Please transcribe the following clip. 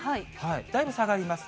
だいぶ下がります。